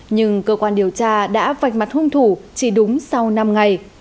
nhưng cơ quan điều tra đã vạch mặt hung thủ chỉ đúng sau năm ngày